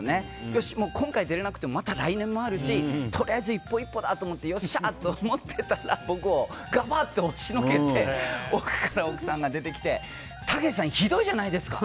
よし、今回出られなくてもまた来年もあるしとりあえず一歩一歩だとよっしゃ！と思ってたら僕を、がばっと押しのけて奥から奥さんが出てきてたけしさんひどいじゃないですか。